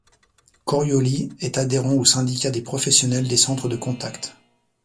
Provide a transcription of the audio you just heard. Coriolis est adhérent au Syndicat des professionnels des centres de contacts.